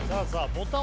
ボタン